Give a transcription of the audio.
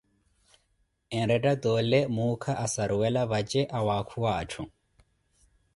Enretta toole muuka asaruwela vaje, awaakuwa atthu